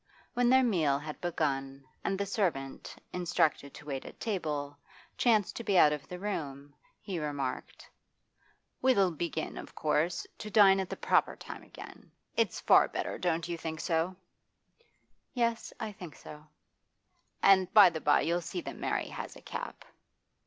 When their meal had begun, and the servant, instructed to wait at table, chanced to be out of the room, he remarked: 'We'll begin, of course, to dine at the proper time again. It's far better, don't you think so?' 'Yes, I think so.' 'And, by the by, you'll see that Mary has a cap.